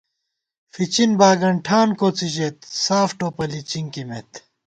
فِچِن باگنٹھان کوڅی ژېت ساف ٹوپَلی چِنکِمېت